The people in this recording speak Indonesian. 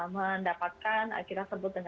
mendapatkan kita sebutkan itu